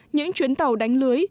những chuyến tàu đánh lưới